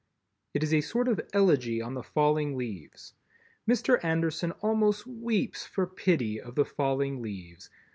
It is a sort of elegy on the falling leaves. Mr. Anderson almost weeps for pity of the falling leaves.